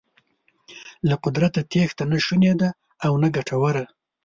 له قدرته تېښته نه شونې ده او نه ګټوره.